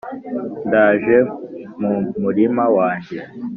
Ndaje mu murima wanjye